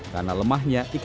karena lemahnya eksekutif smrc